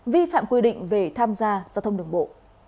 vi phạm quy định về tham gia giao thông đường bộ